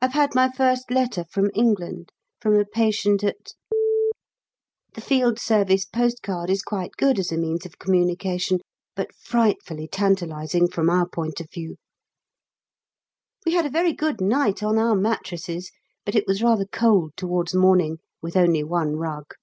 I've had my first letter from England, from a patient at . The Field Service post card is quite good as a means of communication, but frightfully tantalising from our point of view. We had a very good night on our mattresses, but it was rather cold towards morning with only one rug.